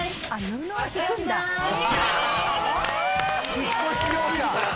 引っ越し業者！